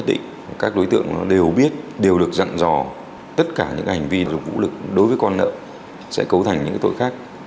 đối tượng đều biết đều được dặn dò tất cả những hành vi vụ lực đối với con nợ sẽ cấu thành những tội khác